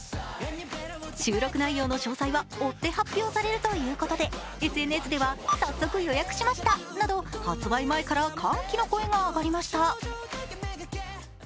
収録内容の詳細は追って発表されるということでＳＮＳでは発売前から歓喜の声が上がりました。